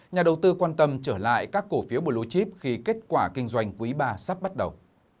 nhà đầu tư quan tâm trở lại các cổ phiếu blue chip khi kết quả kinh doanh quý ba sắp bắt đầu